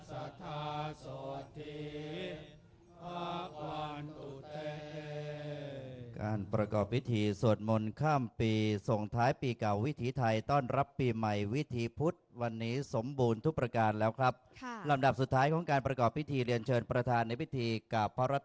สุทธิภวันตุเตภวะตุสัพพะมังคัลังรักคันตุสัพพะมังคัลังรักคันตุสัพพะมังคัลังรักคันตุสัพพะมังคัลังรักคันตุสัพพะมังคัลังรักคันตุสัพพะมังคัลังรักคันตุสัพพะมังคัลังรักคันตุสัพพะมังคัลังรักคันตุสัพพะมังคัลังรักคันตุ